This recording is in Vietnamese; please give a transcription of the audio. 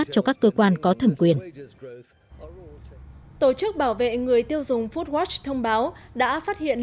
cho các cơ quan có thẩm quyền tổ chức bảo vệ người tiêu dùng foodwatch thông báo đã phát hiện